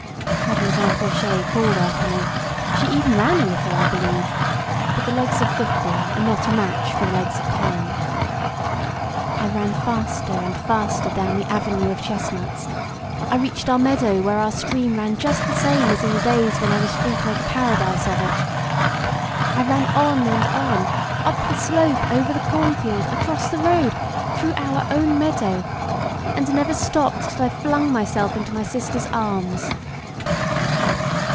Mademoiselle Fauchet called after me, she even ran a little, I believe, but the legs of fifty are not a match for the legs of ten. I ran faster and faster down the avenue of chestnuts. I reached our meadow where our stream ran just the same as in the days when I was free to make a paradise of it. I ran on and on, up the slope over the cornfield, across the road, through our own meadow, and never stopped till I flung myself into my sister's arms.